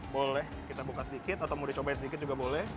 boleh kita buka sedikit atau mau dicobain sedikit juga boleh